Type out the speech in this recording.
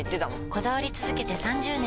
こだわり続けて３０年！